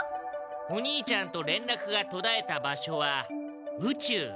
お兄ちゃんと連らくがとだえた場所は宇宙。